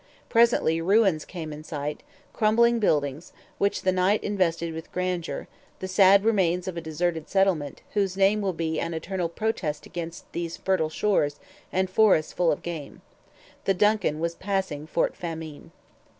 Presently ruins came in sight, crumbling buildings, which the night invested with grandeur, the sad remains of a deserted settlement, whose name will be an eternal protest against these fertile shores and forests full of game. The DUNCAN was passing Fort Famine.